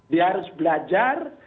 dia harus belajar